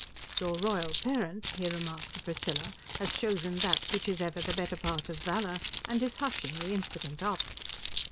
"Your Royal Parent," he remarked to Priscilla, "has chosen that which is ever the better part of valour, and is hushing the incident up."